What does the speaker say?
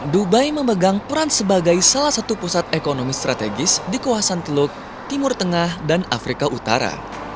dubai memegang peran sebagai salah satu pusat ekonomi strategis di kawasan teluk timur tengah dan afrika utara